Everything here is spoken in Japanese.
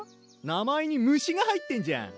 名前に「虫」が入ってんじゃん。